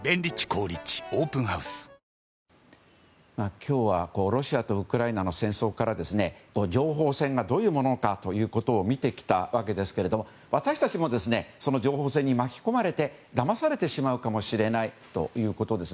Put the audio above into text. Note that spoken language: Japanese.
今日はロシアとウクライナの戦争から情報戦がどういうものかということを見てきたわけですが私たちもその情報戦に巻き込まれてだまされてしまうかもしれないということです。